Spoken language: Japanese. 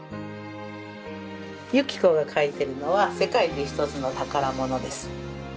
由岐子が書いてるのは世界で１つの宝物です。